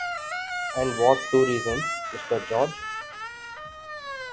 And what two reasons, Mr. George?